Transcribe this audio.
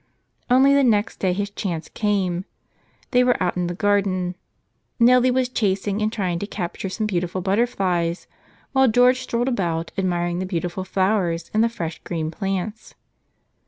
Only the next day his chance came. They were out in the garden. Nellie was chasing and trying to cap¬ ture some beautiful butterflies, while George strolled about, admiring the beautiful flowers and the fresh green plants.